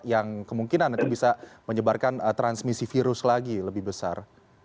yang kemungkinan itu bisa menyebarkan transmisi virus lagi lebih besar